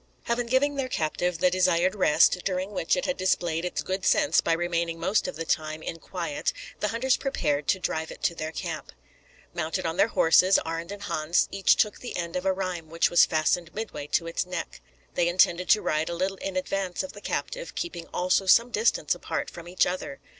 Having given their captive the desired rest, during which it had displayed its good sense by remaining most of the time in quiet, the hunters prepared to drive it to their camp. Mounted on their horses, Arend and Hans each took the end of a rheim, which was fastened midway to its neck. They intended to ride a little in advance of the captive, keeping also some distance apart from each other.